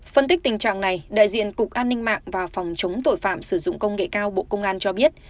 phân tích tình trạng này đại diện cục an ninh mạng và phòng chống tội phạm sử dụng công nghệ cao bộ công an cho biết